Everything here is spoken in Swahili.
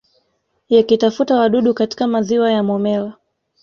Yakitafuta wadudu katika maziwa ya Momella